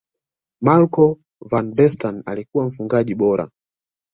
marco van basten alikuwa mfungaji bora